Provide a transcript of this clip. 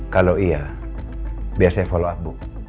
kalau iya biar saya follow up bu